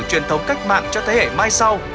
truyền thống cách mạng cho thế hệ mai sau